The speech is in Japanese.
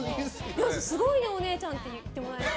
すごい、お姉ちゃん！って言ってもらえて。